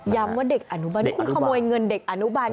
ว่าเด็กอนุบันคุณขโมยเงินเด็กอนุบาล